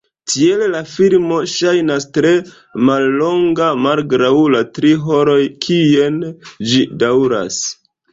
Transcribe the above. Tiel la filmo ŝajnas tre mallonga malgraŭ la tri horoj kiujn ĝi daŭras.